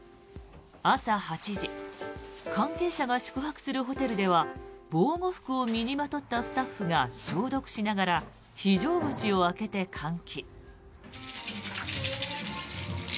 朝８時関係者が宿泊するホテルでは防護服を身にまとったスタッフが消毒しながら非常口を開けて換気。